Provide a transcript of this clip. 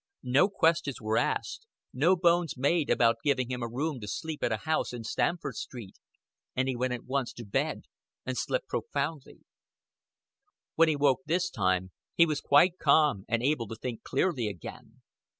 No questions were asked, no bones made about giving him a room at a house in Stamford Street; and he at once went to bed and slept profoundly. When he woke this time he was quite calm, and able to think clearly again.